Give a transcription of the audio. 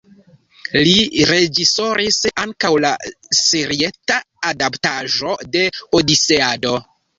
Li reĝisoris ankaŭ la serieta adaptaĵo de Odiseado.